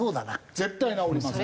絶対治りません。